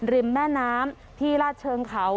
ริมแม่น้ำที่ลาดเชิงเขา